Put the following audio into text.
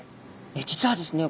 実はですね